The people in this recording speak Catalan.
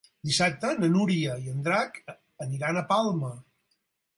Dissabte na Núria i en Drac aniran a Palma.